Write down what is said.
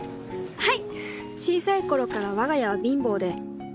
はい。